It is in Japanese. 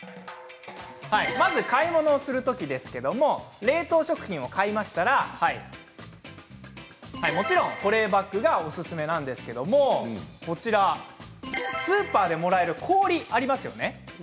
まず買い物をする時ですけど冷凍食品を買いましたらもちろん保冷バッグがおすすめなんですけれどもスーパーでもらえる氷がありますね。